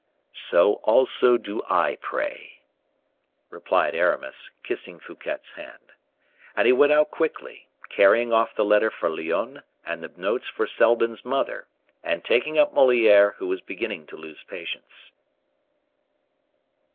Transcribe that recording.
"So also do I pray," replied Aramis, kissing Fouquet's hand. And he went out quickly, carrying off the letter for Lyonne and the notes for Seldon's mother, and taking up Moliere, who was beginning to lose patience.